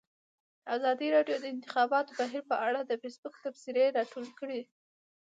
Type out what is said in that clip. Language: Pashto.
ازادي راډیو د د انتخاباتو بهیر په اړه د فیسبوک تبصرې راټولې کړي.